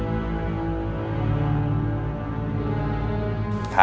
ที่รีบคนเราครับ